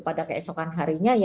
pada keesokan harinya